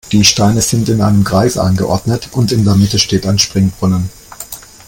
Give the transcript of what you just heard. Die Steine sind in einem Kreis angeordnet und in der Mitte steht ein Springbrunnen.